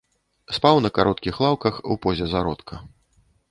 Спаў на кароткіх лаўках у позе зародка.